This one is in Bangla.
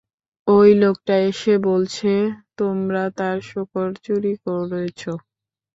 ওই লোকটা এসে বলছে তোমরা তার শূকর চুরি করেছ।